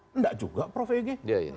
tidak juga prof eki